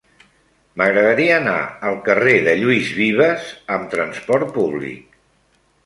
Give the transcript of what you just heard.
M'agradaria anar al carrer de Lluís Vives amb trasport públic.